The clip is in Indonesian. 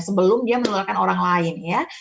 sebelum dia menularkan orang lain ya